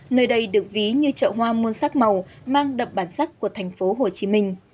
nơi đây được ví như chợ hoa muôn sắc màu mang đậm bản sắc của thành phố hồ chí minh